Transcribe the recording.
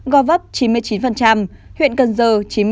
chín mươi sáu go vấp chín mươi chín huyện cần dơ chín mươi chín